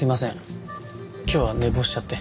今日は寝坊しちゃって。